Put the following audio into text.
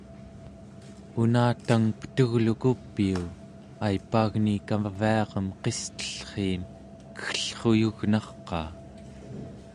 una tang petugluku piu, aipaagni kaviarem qistellriim keggellruyugnarqaa